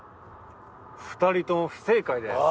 ２人とも不正解です。